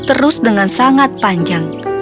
terus dengan sangat panjang